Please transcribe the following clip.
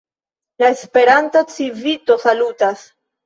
La Esperanta Civito salutas.